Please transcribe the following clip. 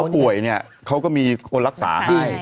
ถ้าป่วยเขาก็มีคนรักษาให้